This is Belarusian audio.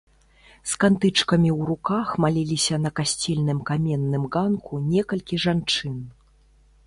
З кантычкамі ў руках маліліся на касцельным каменным ганку некалькі жанчын.